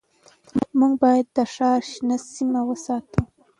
موږ باید د ښار شنه سیمې وساتو